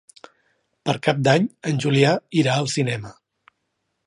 Per Cap d'Any en Julià irà al cinema.